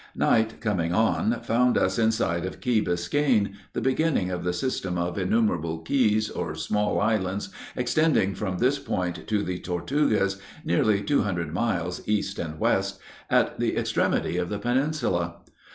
Night, coming on, found us inside of Key Biscayne, the beginning of the system of innumerable keys, or small islands, extending from this point to the Tortugas, nearly two hundred miles east and west, at the extremity of the peninsula.